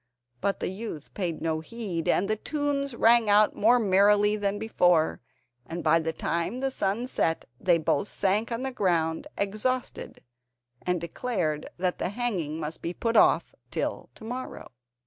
But the youth paid no heed, and the tunes rang out more merrily than before, and by the time the sun set they both sank on the ground exhausted, and declared that the hanging must be put off till to morrow.